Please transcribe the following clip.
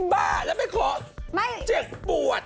บ้าแล้วไม่ขอเจ็บปวด